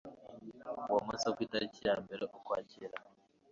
uwo munsi wo ku itariki ya mbere Ukwakira